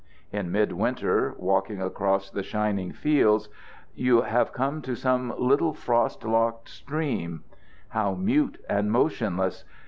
In mid winter, walking across the shining fields, you have come to some little frost locked stream. How mute and motionless!